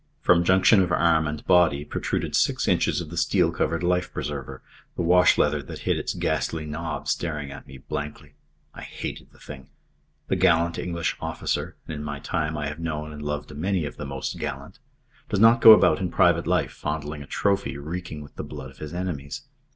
From junction of arm and body protruded six inches of the steel covered life preserver, the washleather that hid its ghastly knob staring at me blankly. I hated the thing. The gallant English officer and in my time I have known and loved a many of the most gallant does not go about in private life fondling a trophy reeking with the blood of his enemies.